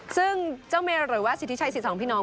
ซึ่งเจ้าเมย์หรือว่าสิทธิชัยสิทธิ์สองพี่น้อง